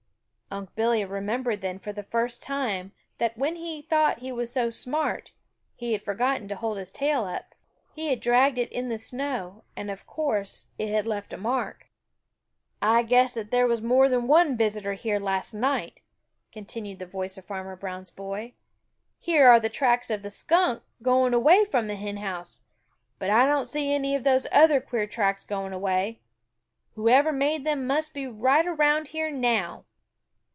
Unc' Billy remembered then for the first time that when he had thought he was so smart, he had forgotten to hold his tail up. He had dragged it in the snow, and of course it had left a mark. "I guess that there was more than one visitor here last night," continued the voice of Farmer Brown's boy. "Here are the tracks of the Skunk going away from the hen house, but I don't see any of those other queer tracks going away. Whoever made them must be right around here now."